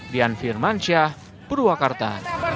dian firman syah purwakarta